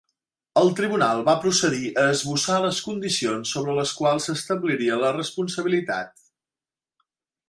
El tribunal va procedir a esbossar les condicions sobre les quals s'establiria la responsabilitat.